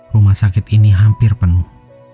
rumah sakit ini hampir penuh